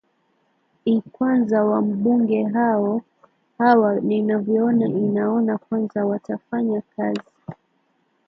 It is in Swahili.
i kwanza wambunge hawa ninavyoona inaona kwanza watafanya kazi